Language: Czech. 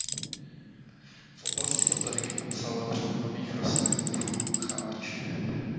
V oblasti botaniky popsal řadu nových rostlin druhu pcháč.